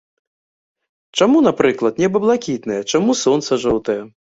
Чаму, напрыклад, неба блакітнае, чаму сонца жоўтае.